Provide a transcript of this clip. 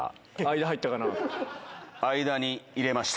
間、入ったかなって。